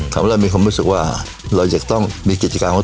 ทำให้เรายังคงมีความรู้สึกว่า